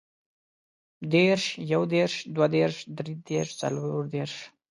دېرش، يودېرش، دوهدېرش، دريدېرش، څلوردېرش